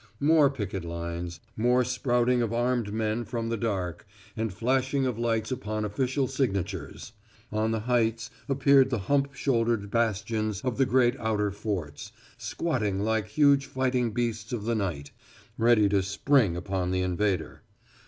More picket lines, more sprouting of armed men from the dark, and flashing of lights upon official signatures. On the heights appeared the hump shouldered bastions of the great outer forts, squatting like huge fighting beasts of the night, ready to spring upon the invader.